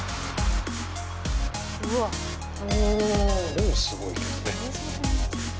もうすごいけどね。